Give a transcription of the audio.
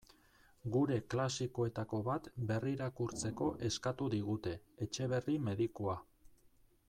Gure klasikoetako bat berrirakurtzeko eskatu digute: Etxeberri medikua.